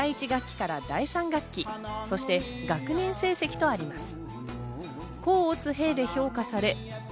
第１学期から第３学期、そして学年成績とあります。